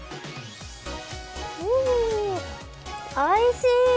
うん、おいしい！